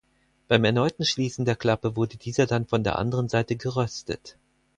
Beim erneuten Schließen der Klappe wurde dieser dann von der anderen Seite geröstet.